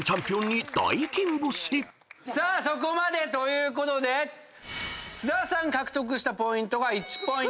そこまでということで津田さん獲得したポイントが１ポイント。